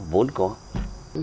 hãy phản ảnh như nó